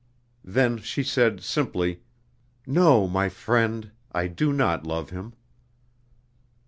Then she said, simply, "No, my friend, I do not love him."